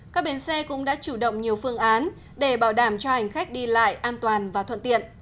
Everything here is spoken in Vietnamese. các bến xe cũng đã chủ động nhiều phương án để bảo đảm cho hành khách đi lại an toàn và thuận tiện